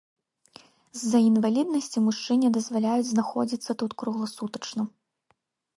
З-за інваліднасці мужчыне дазваляюць знаходзіцца тут кругласутачна.